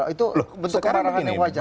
itu bentuk arahan yang wajar